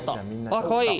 かわいい！